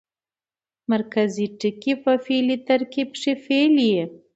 مرکزي ټکی په فعلي ترکیب کښي فعل يي.